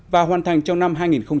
và hoàn thành trong năm hai nghìn hai mươi